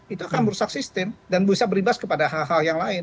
itu akan merusak sistem dan bisa beribas kepada hal hal yang lain